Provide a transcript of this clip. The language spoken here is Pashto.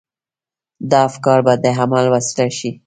دا افکار به د عمل وسيله شي.